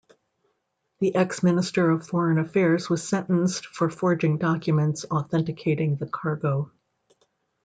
The ex-Minister of Foreign Affairs was sentenced for forging documents authenticating the cargo.